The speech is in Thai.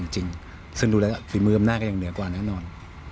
จริงซึ่งดูแล้วฝีมืออำนาจก็ยังเหนือกว่าแน่นอน